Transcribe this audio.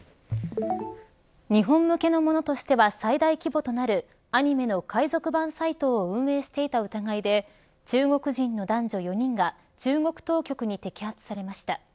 日本向けのものとしては最大規模となるアニメの海賊版サイトを運営していた疑いで中国人の男女４人が中国当局に摘発されました。